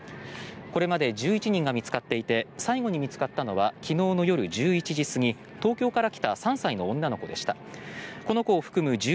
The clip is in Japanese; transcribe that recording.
これまで１１人が見つかっていて最後に見つかったのは昨日の夜１１時過ぎ東京から来た８歳の女の子でした。